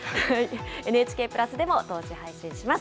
ＮＨＫプラスでも同時配信します。